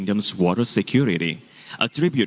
selama lima tahun lalu